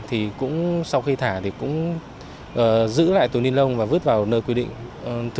thì cũng sau khi thả thì cũng giữ lại túi ni lông và vứt vào nơi quy định